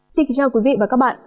xin kính chào quý vị và các bạn